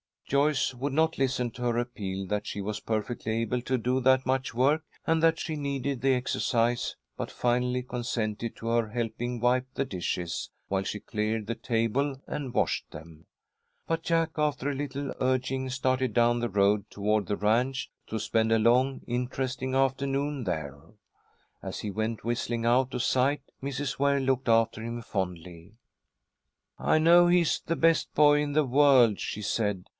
Joyce would not listen to her appeal that she was perfectly able to do that much work, and that she needed the exercise, but finally consented to her helping wipe the dishes, while she cleared the table and washed them. But Jack, after a little urging, started down the road toward the ranch, to spend a long, interesting afternoon there. As he went whistling out of sight Mrs. Ware looked after him fondly. "I know he's the best boy in the world," she said.